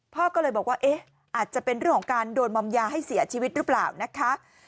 พ่อก็เลยบอกว่าเอ๊ะอาจจะเป็นเรื่องของการโดนมอมยาให้เสียชีวิตหรือเปล่านะคะ